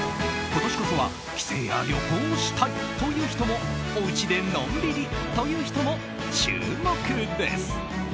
今年こそは帰省や旅行をしたいという人もおうちでのんびりという人も注目です。